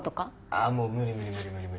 ああもう無理無理無理無理。